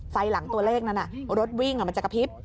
ไฟหลังตัวเลขนั้นรถวิ่งมันจะกระพริบ